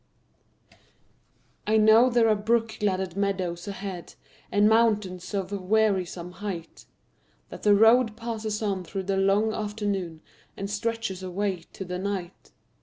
I know there are brook gladdened meadows ahead, And mountains of wearisome height; That the road passes on through the long afternoon And stretches away to the night.